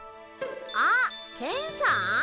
あっケンさん？